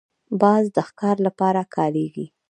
باز د ښکار لپاره کارېږي